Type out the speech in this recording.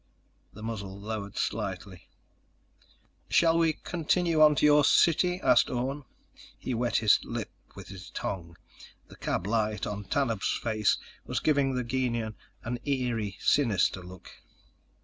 The muzzle lowered slightly. "Shall we continue on to your city?" asked Orne. He wet his lips with his tongue. The cab light on Tanub's face was giving the Gienahn an eerie sinister look.